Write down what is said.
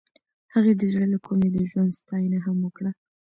هغې د زړه له کومې د ژوند ستاینه هم وکړه.